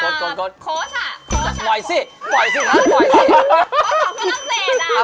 เพราะสองคนต้องเตศอะ